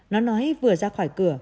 nó nói vừa ra khỏi cửa